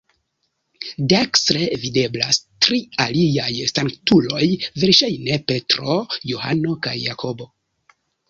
Dekstre videblas tri aliaj sanktuloj, verŝajne Petro, Johano kaj Jakobo.